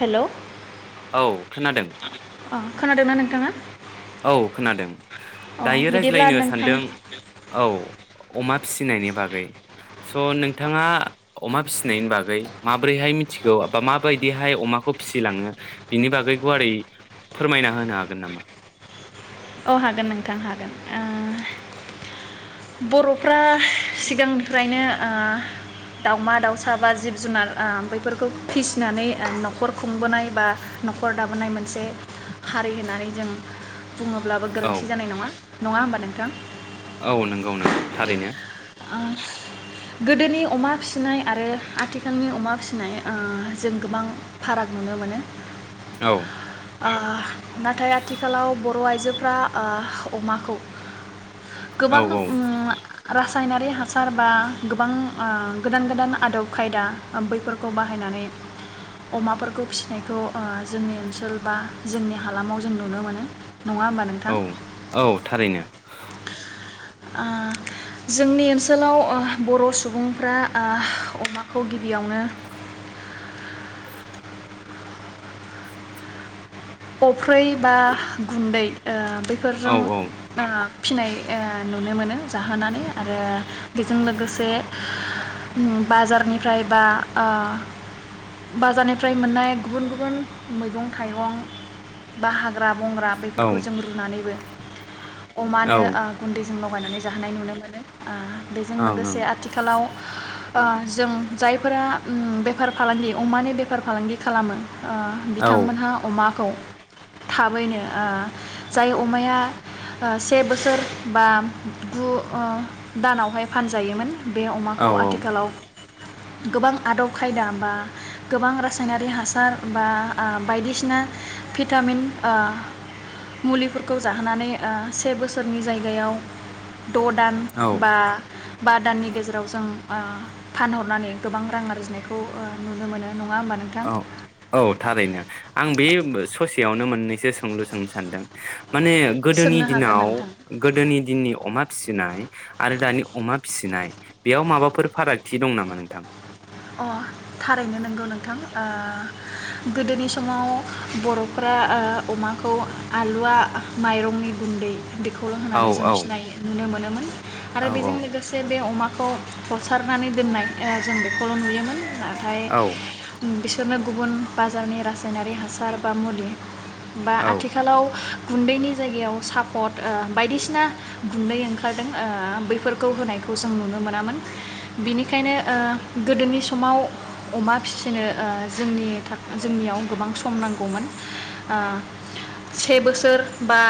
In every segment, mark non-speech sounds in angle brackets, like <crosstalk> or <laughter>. हेल' औ खोनादों। ओ खोनादोंना नोंथाङा? औ खोनादों दायो बिदिब्ला रायज्लायनो नोंथां सानदों औ अमा फिसिनायनि बागै स' नोंथाङा अमा फिसिनायनि बागै माबोरैहाय मिथिगौ बा माबायदिहाय अमाखौ फिसिलाङो बिनि बागै गुवारै फोरमायना होनो हागोन नामा? औ हागोन नोंथां हागोन ओ बर'फ्रा सिगांनिफ्रायनो ओ दाउमा दाउसा बा जिब जुनार ओ बेफोरखौ फिसिनानै न'खर खुंबोनाय बा न'खर दाबोनाय मोनसे हारि होननानै जों बुङोब्लाबो औ गोरोन्थि जानाय नङा। नङा होमबा नोंथां? औ नोंगौ नोंगौ थारैनो। ओ गोदोनि अमा फिसिनाय आरो आथिखालनि अमा फिसिनाय ओ जों गोबां फाराग नुनो मोनो। औ। ओ नाथाय आथिखालाव बर' आइजोफोरा ओ अमाखौ औ गोबां औ उम रा सायनारि हासार बा गोबां ओ गोदान गोदान आदब खायदा बैफोरखौ बाहायनानै अमाफोरखौ फिसिनायखौ ओ जोंनि ओनसोल बा जोंनि हालामाव जों नुनो मोनो। नङा होमबा नोंथां औ औ थारैनो। ओ जोंनि ओनसोलाव ओ बर' सुबुंफ्रा आ अमाखौ गिबियावनो <inaudible> अफ्रै बा गुन्दै ओ औ बेफोरजों ओ फिनाय ओ नुनो मोनो जाहोनानै आरो बेजों लोगोसे बाजारनिफ्राय बा ओ बाजारनिफ्राय मोननाय गुबुन गुबुन मैगं थाइगं बाहाग्रा बंग्रा औ बेफोरखौ जों रुनानैबो अमानो ओं ओ गुन्दै लगायनानै जाहोनाय नुनो मोनो ओ बेजों ओं लोगोसे औ आथिखालाव ओ जों जायफोरा उम बेफार फालांगि अमानि बेफार फालांगि खालामो ओ बिथांमोनहा अमा खौ थाबैनो ओ जाय अमाया ओ से बोसोर बा गु ओ दानावहाय फानजायोमोन बे औ अमाखौ आथिखालाव गोबां आदब खायदा बा गोबां रासायनारि हासार बा आ बायदिसिना भिटामिन ओ मुलिफोरखौ जाहोनानै ओ से बोसोरनि जायगायाव द' दान औ बा बा दाननि गेजेराव जों ओ फानहरनानै गोबां रां आरजिनायखौ ओ नुनो मोनो। नङा होमबा नोंथां औ औ थारैनो आं बे ससे यावनो मोननैसो सोंलु सोंनो सानदों माने गोदोनि सोंनो हागोन दिनाव नोंथां गोदोनि दिननि अमा फिसिनाय आरो दानि अमा फिसिनाय बेयाव माबाफोर फारागथि दं नामा नोंथां? अ थारैनो नंगौ नोंथां ओ गोदोनि समाव बर'फ्रा ओ अमाखौ आलुवा माइरंनि गुन्दै बेखौल' औ होननानै जों औ फिनाय नुनो मोनोमोन। आरो औ बेजों लोगोसे बे अमा खौ हसारनानै दोननाय ओ जों बे खौल नुयोमोन। आ <unintelligible> फाय औ बेस बिसोरनो गुबुन बाजारनि रासायनारि हासार बा मुलि बा औ आथिखालाव गुन्दैनि जायगायाव सापट ओ बायदिसिना गुन्दै ओंखारदों ओ बैफोरखौ होनायखौ जों नुनो मोनामोन बिनिखायनो ओ गोदोनि समाव अमा फिसिनो ओ जोंनि था जोंनियाव गोबां सम नांगौमोन ओ से बोसोर बा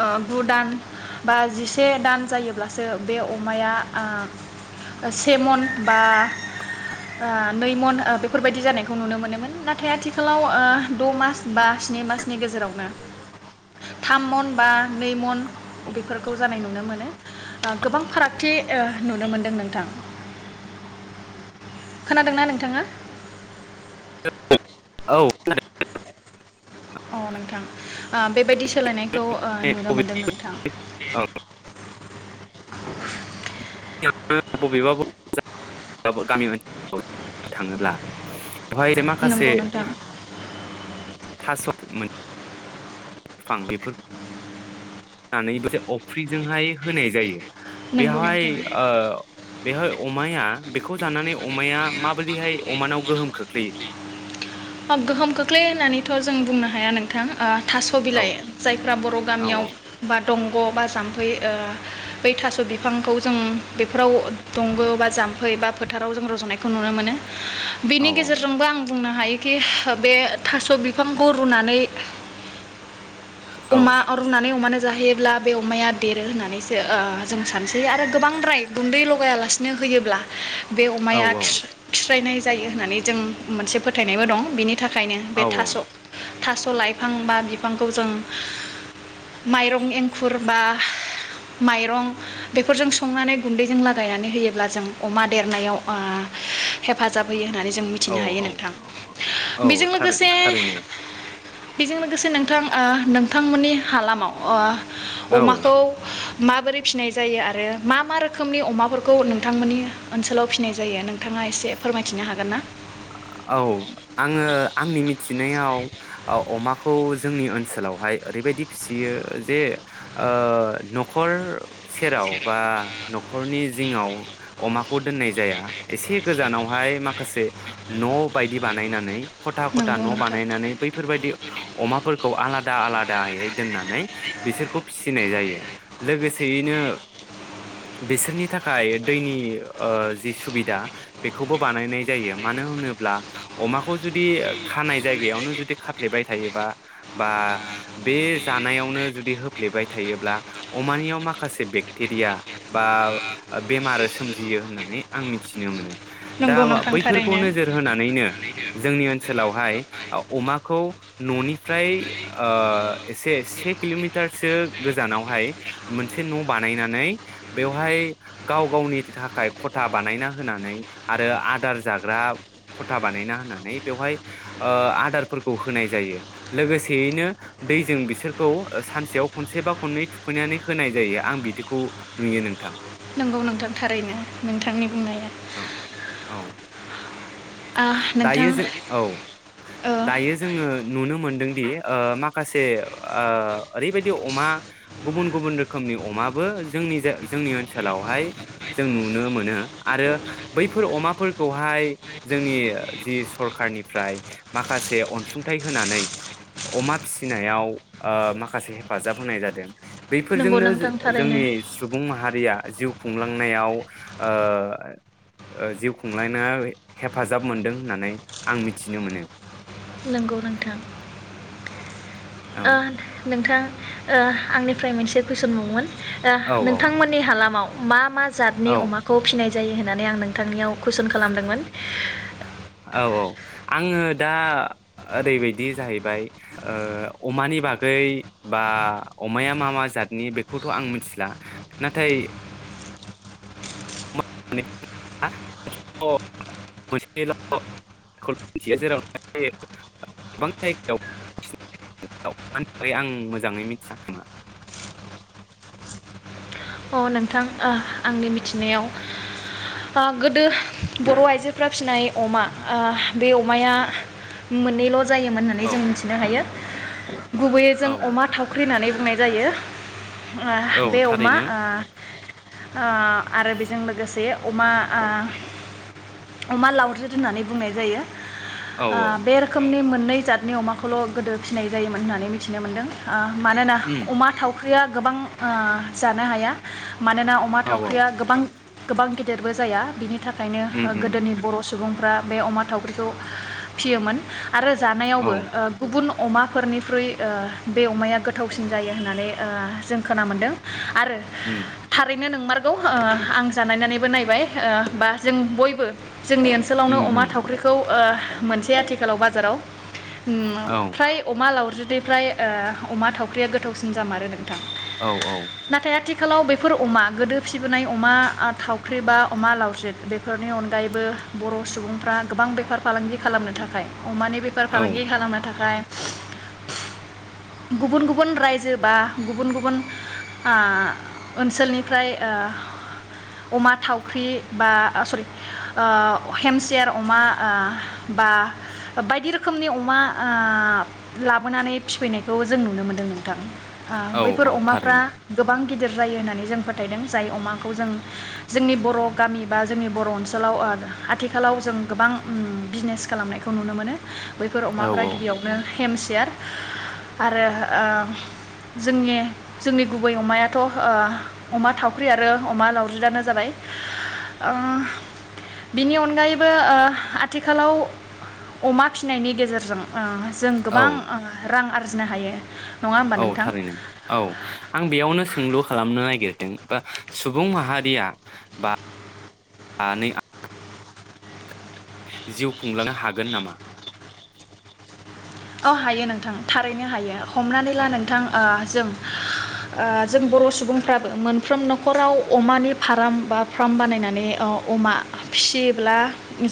ओ गु दान बा जिसे दान जायोब्लासो बे अमाया ओ से मन बा ओ नै मन बेफोरबायदि जानायखौ नुनो मोनोमोन नाथाय आथिखालाव ओ द मास बा स्नि मासनि गेजेरावनो थाम मन बा नै मन बेफोरखौ जानाय नुनो मोनो गोबां फारागथि ओ नुनो मोनदों नोंथां। खोनादोंना नोंथाङा? <unintelligible> औ अ नोंथां ओ बेबायदि सोलायनाय खौ नुनो मोन्दों नोंथां। औ <unintelligible> बबेबा <unintelligible> गामि <unintelligible> थाङोब्ला बेवहाय माखासे नंगौ नोंथां थास' मोन <unintelligible> बैफोर <unintelligible> अफ्रिजोंहाय होनाय जायो नंगौ बेवहाय नोंथां ओ बेवहाय अमाया बेखौ जानानै अमाया माबोरैहाय अमानाव गोहोम खोख्लैयो अ गोहोम खोख्लै होननानैथ जों बुंनो हाया नोंथां थास औ बिलाइ जायफ्रा बर‌ औ गामियाव बा दं ब बा जाम्फै ओ बै थास बिफांखौ जों बेफोराव दंग बा जाम्फै बा फोथाराव जों रजनायखौ नुनो मोनो औ बेनि गेजेरजोंबो आं बुंनो हायोखि बे थास बिफांखौ रुनानै औ अमा रुनानै अमानो जाहोयोब्ला बे अमाया देरो होननानैसो जों सानसै आरो गोबांद्राय गुन्दै लगायालासिनो होयोब्ला बे औ अमाया खिस्रायनाय जायो होननानै जों मोनसे फोथायनायबो दं बिनि थाखायनो औ बे थास थास लाइफां बा बिफांखौ जों माइरं एंखुर बा माइरं बेफोरजों संनानै गुन्दैजों लागायनानै होयोब्ला जों अमा देरनायाव ओ हेफाजाब होयो होननानै जों औ मिथिनो हायो औ नोंथां औ बेजों थारै लोगोसे थारैनो बेजों लोगोसे नोंथां ओ नोंथांमोननि हालामाव ओ औ अमाखौ माबोरै फिसिनाय जायो आरो मा मा रोखोमनि अमाफोरखौ नोंथांमोननि ओनसोलाव फिसिनाय जायो नोंथाङा एसे फोरमायथिनो हागोनना? औ आङो आंनि मिथिनायाव ओ अमाखौ जोंनि ओनसोलावहाय ओरैबायदि फिसियो जे ओ नखर सेराव बा नखरनि जिङाव अमाखौ दोननाय जाया एसे गोजानावहाय माखासे न बायदि बानायनानै खथा खथा नंगौ न नोंथां बानायनानै बैफोरबायायदि अमाफोरखौ आ आलादा आलादायै दोननानै बिसोरखौ फिसिनाय जायो लोगोसेयैनो बिसोरनि थाखाय दैनि ओ जि सुबिदा बेखौबो बानायनाय जायो। मानो होनोब्ला अमाख खौ जुदि खानाय जायगायावनो जुदि खाफ्लेबाय थायोबा बा बे जानायावनो जुदि होफ्लेबाय थायोब्ला अमानियाव माखासे बेक्टेरिया बा बेमार सोमजियो होननानै आं मिथिनो मोनो दा नंगौ नोंथां बैफोर खौ थारैनो। नोजोर होनानैनो जोंनि ओन ओनसोलावहाय ओ अमाखौ ननि फ्राइ ओ एसे से किलमारसो गोजानावहाय मोनसे न बानायनानै बेवहाय गाव गावनि थाखाय खथा बानायना होनानै आरो आदार जा फ्राव खथा बानायना होनानै बेवहाय ओ आदारफोरखौ होनाय जायो लोगोसेयैनो दैजों बिसोरखौ ओ सानसेयाव खनसे बा खननै थुखैनानै होनाय जायो आं बिदिखौ नुयो नोंथां। नंगौ नोंथां थारैनो नोंथांनि बुंनाया। औ औ आ नोंथां दायो जों औ ओ दायो जोङो नुनो मोनदों दि ओ माखासे ओ ओरैबायदि अमा गुबुन गुबुन रोखोमनि अमाबो जोंनि जाय जोंनि ओनसोलावहाय जों नुनो मोनो आरो बैफोर अमाफोरखौहाय जोंनि जि सरखारारनिफ्राय माखासे अनसुंथाइ होनानै अमा फिसिनायाव ओ माखासे हेफाजाब होनाय जादों। नंगौ बेफोरजोंनो नोंथां थारैनो जोंनि सुबुं माहारिया जिउ खुंलांनायाव ओ जिउ खुंलायनाय हेफाजाब मोनदों होननानै आं मिथिनो मोनो। नंगौ नोंथां। औ ओ नोंथां ओ आंनिफ्राय मोनसे कुइसन बावमोन? ओ औ औ नोंथांमोननि हालामाव मा मा जादनि औ अमाखौ फिनाय जायो होननानै आं नोंथांनियाव कुइसन खालामदोंमोन। औ औ आङो दा ओरैबायदि जाहैबाय ओ अमानि बागै बा अमाया मा मा जादनि बेखौथ' आं मिथिला नाथाय <unintelligible> जेराव गोबां जायगायाव थाखाय आं मोजाङै मिथिया खोमा। अ नोंथां ओ आंनि मिथिनायाव गोदो बर' आइजोफ्रा फिनाय अमा बे ओ अमाया मोननैल' जायोमोन होन्नानै औ जों मिथिनो हायो। <inaudible> गुबैयै औ जों अमा थावख्रिहोननानै बुंनाय जायो। ओ औ औ बे अमा ओ थारैनो ओ आरो बेजों लोगोसे अमा ओ अमा लाउराथ होननानै बुंनाय जायो। औ ओ औ बे रोखोमनि मोन नै जादनि अमाखौल' गोदो फिसिनाय जायोमोन होननानै मिथिनो मोनदों ओ मानोना उम अमा थावख्रिया गोबां ओ जानो हाया मानोना अमा औ औ थावख्रिया गोबां गोबां गेदिरबो जाया बिनि थाखायनो उम उम गोदोनि बर' सुबुंफ्रा बे अमा थावख्रिखौ फियोमोन आरो जानायावबो औ ओ गुबुन अमाफोरनिख्रुइ ओ बे अमाया गोथावसिन जायो होननानै ओ जों खोना मोनदों आरो उम थारै बेनो नोंमारगौ ओ आं जानायनानैबो नायबाय ओ बा जों बयबो जोंनि ओनसोलावनो उम अमा उम थावख्रिखौ ओ मोनसै आथिखालाव बाजाराव ओम औ फ्राय अमा लावज्रि द फ्राय ओ अमा थावख्रिया गोथावसिन जामारो नोंथां। औ औ। नाथाय आथिखालाव बेफोर अमा गोदो फिबोनाय अमा आ थावख्रि बा अमा लावज्रिद बेफोरनि अनगायैबो बर' सुबुंफ्रा गोबां बेफार फालांगि खालामनो थाखाय अमानि बेफार औ फालांगि खालामनो थाखाय गुबुन गुबुन रायजो बा गुबुन गुबुन ओ ओनसोलनिफ्राय ओ अमा थावख्रि बा ओ सरि ओ हेमसेयार अमा ओ बा बायदि रोखोमनि अमा ओ लाबोनानै फिफैनायखौ जों नुनो मोनदों नोंथां। ओ औ बैफोर औ अमाफ्रा थारैनो गोबां गिदिर जायो होननानै जों फोथायदों जाय अमाखौ जों जोंनि बर' गामि बा जोंनि बर' ओनसोलाव ओ आथिखालाव जों गोबां उम बिजनेस खालामनायखौ नुनो मोनो। बैफोर औ अमाफ्रा गिबियावनो हेमस सियार आरो ओ जोंनि जोंनि गुबै अमायाथ' ओह अमा थावख्रि आरो अमा लावज्रिदानो जाबाय। ओह बिनि अनगायैबो ओ आथिखालाव अमा फिनायनि गेजेरजों ओ जों गोबां औ ओह रां आर जिनो हायो नङा होमबा औ नोंथां थारैनो औ आं बेयावनो सोंलु खालामनो नायगिरदों बा सुबुं माहारिया बा <unintelligible> जिउ खुंलांनो हागोन नामा? औ हायो नोंथां थारैनो हायो। हमनानै ला औ नोंथां ओ जों ओ जों बर' सुबुंफ्राबो मोनफ्रोम न'खराव अमानि फाराम बा फार्म बानायनानै ओ अमा फिसियोब्ला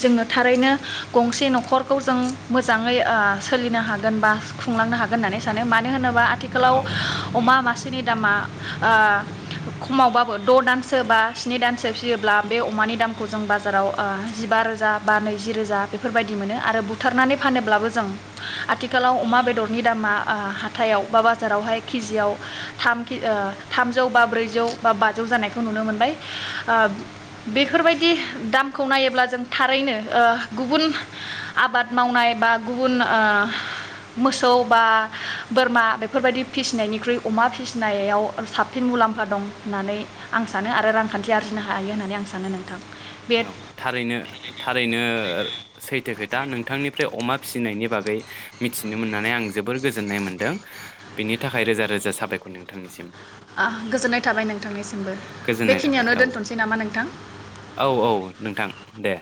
जोङो थारैनो गंसे न'खरखौ जों मोजाङै ओ सोलिनो हागोन बा खुंलांनो हागोन होननानै सानो मानो होनोबा आ थिखालाव औ अमा मा सेनि दामा ओ खमावबाबो द' दानसो बा स्नि दानसो फियोब्ला बे अमानि दामखौ जों बाजाराव ओ जिबा रोजा बा नैजि रोजा बेफोरबायदि मोनो आरो बुथारनानै फानोब्लाबो जों आथिखालाव अमा बेदरनि दामा ओ हाथायाव बा बाजारावहाय केजियाव थामिकि ओ थामजौ बा ब्रैजौ बा बाजौ जानायखौ नुनो मोनबाय ओ बेफोरबायदि दामखौ नायोब्ला जों थारैनो ओह गुबुन आबाद मावनाय बा गुबुन ओह मोसौ बा बोरमा बेफोरबायदि फिसिनायनिख्रुइ अमा फिसिनायाव साबसिन मुलाम्फा दं होननानै आं सानो आरो रांखान्थि आरजिनो हायो होननानै आं सानो नोंथां। बे औ थारैनो थारैनो सैथो खोथा नोंथांनिफ्राय अमा फिसिनायनि बागै मिथिनो मोननानै आं जोबोर गोजोन्नाय मोनदों बेनि थाखाय रोजा रोजा साबायखर नोंथांनिसिम। अह गोजोननाय थाबाय नोंथांनिसिमबो गोजोननाय थाबाय बेखिनियावनो औ दोन्थ'नोसै नामा नोंथां? औ औ नोंथां दे